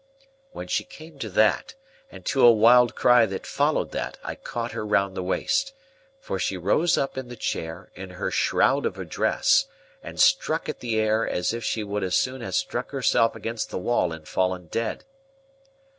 When she came to that, and to a wild cry that followed that, I caught her round the waist. For she rose up in the chair, in her shroud of a dress, and struck at the air as if she would as soon have struck herself against the wall and fallen dead.